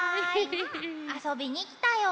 あそびにきたよ。